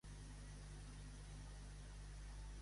Sant Miquel sense lluna, de cent fedes, se n'escapa pas una.